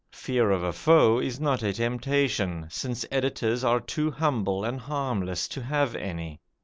Fear of a foe is not a temptation, since editors are too humble and harmless to have any.